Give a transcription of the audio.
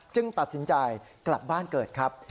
ตัดสินใจกลับบ้านเกิดครับ